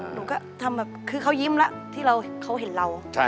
หนูก็ทำแบบคือเขายิ้มแล้วที่เขาเห็นเรา